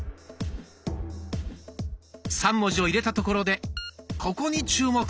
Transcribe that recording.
３文字を入れたところでここに注目！